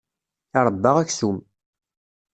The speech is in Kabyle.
Iṛebba aksum.